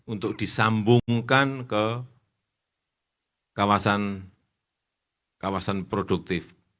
untuk disambungkan ke kawasan produktif